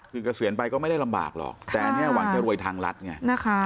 กระเซียนไปก็ไม่ได้ลำบากหรอกแต่แน่วันจะรวยทางรัฐไง